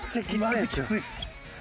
マジきついっす。